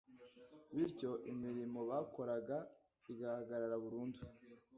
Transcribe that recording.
bityo imirimo bakoraga igahagarara burundu.